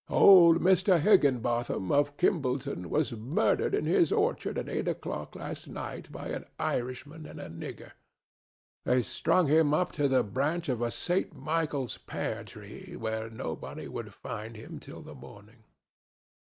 "Old Mr. Higginbotham of Kimballton was murdered in his orchard at eight o'clock last night by an Irishman and a nigger. They strung him up to the branch of a St. Michael's pear tree where nobody would find him till the morning."